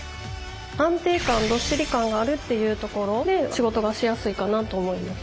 安定感どっしり感があるっていうところで仕事がしやすいかなと思います。